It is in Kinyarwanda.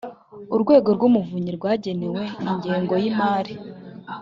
urwego rw’umuvunyi rwagenewe ingengo y’imari